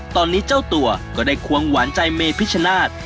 ตอนนี้เจ้าตัวก็ได้ควงหวานใจเมพิชชนาธิ์